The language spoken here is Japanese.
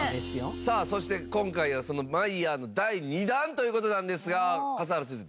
さあそして今回はそのマイヤーの第２弾という事なんですが笠原先生